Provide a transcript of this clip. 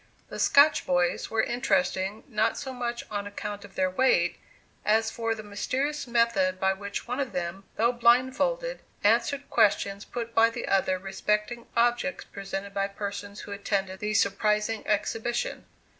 The "Scotch Boys" were interesting, not so much on account of their weight, as for the mysterious method by which one of them, though blindfolded, answered questions put by the other respecting objects presented by persons who attended the surprising exhibition.